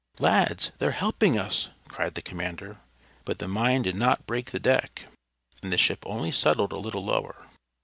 "Lads, they're helping us!" cried the commander. But the mine did not break the deck, and the ship only settled a little lower.